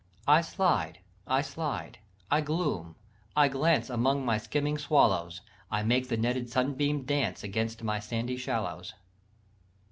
"I slide, I slide, I gloom, I glance, Among my skimming swallows; I make the netted sunbeam dance Against my sandy shallows.